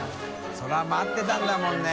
修蠅待ってたんだもんね。